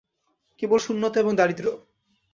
কেবল শূন্যতা এবং দারিদ্র্য।